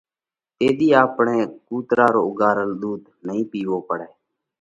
تيۮِي آپڻئہ ڪُوترا رو اُوڳار ۮُوڌ نئين پِيوو پڙئہ۔